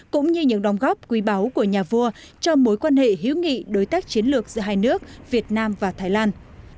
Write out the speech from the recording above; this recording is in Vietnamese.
cũng như những đồng góp quý báu của nhà vua cho mối quan hệ hữu nghị đối tác chiến lược giữa hai nước việt nam và thái lan